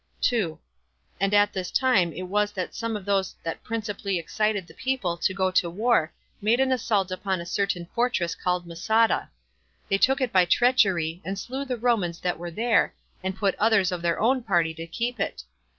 2. And at this time it was that some of those that principally excited the people to go to war made an assault upon a certain fortress called Masada. They took it by treachery, and slew the Romans that were there, and put others of their own party to keep it.